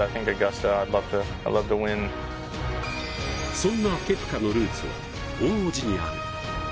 そんなケプカのルーツは大叔父にある。